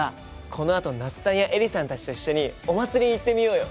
このあと那須さんやエリさんたちと一緒にお祭りに行ってみようよ！